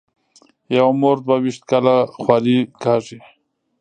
یوه مور دوه وېشت کاله خواري کاږي.